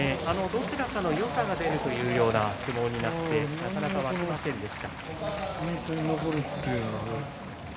どちらかのよさが出るというような相撲になってなかなか沸きませんでした。